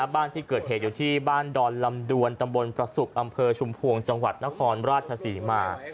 บ้านที่เกิดเหตุอยู่ที่บ้านดอนลำดวนตำบลประสุกอำเภอชุมพวงจังหวัดนครราชศรีมา